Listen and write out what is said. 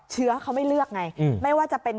เชื้อเขาไม่เลือกไงไม่ว่าจะเป็น